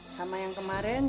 sama yang kemarin